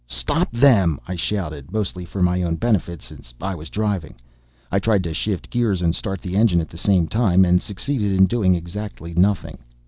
"Stop them!" I shouted, mostly for my own benefit since I was driving. I tried to shift gears and start the engine at the same time, and succeeded in doing exactly nothing.